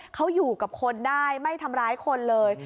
เขาอยู่กับคนได้ไม่ทำร้ายคนเลย